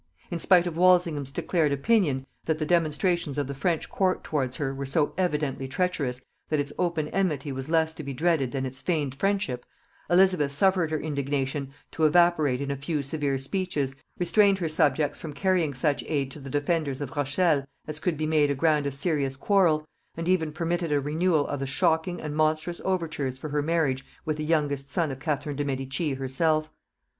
In spite of Walsingham's declared opinion, that the demonstrations of the French court towards her were so evidently treacherous that its open enmity was less to be dreaded than its feigned friendship, Elizabeth suffered her indignation to evaporate in a few severe speeches, restrained her subjects from carrying such aid to the defenders of Rochelle as could be made a ground of serious quarrel, and even permitted a renewal of the shocking and monstrous overtures for her marriage with the youngest son of Catherine de' Medici herself.